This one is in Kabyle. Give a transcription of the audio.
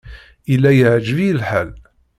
Yella yeɛjeb-iyi lḥal.